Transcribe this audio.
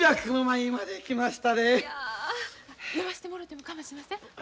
いや読ましてもろてもかましません？